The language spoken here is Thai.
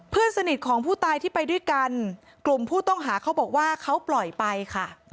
เพื่อนสนิทของผู้ตายที่ไปด้วยกันกลุ่มผู้ต้องหาเขาบอกว่าเขาปล่อยไปค่ะ